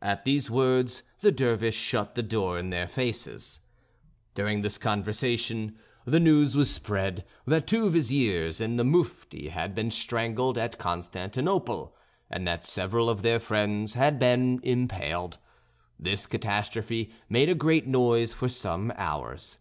At these words, the Dervish shut the door in their faces. During this conversation, the news was spread that two Viziers and the Mufti had been strangled at Constantinople, and that several of their friends had been impaled. This catastrophe made a great noise for some hours.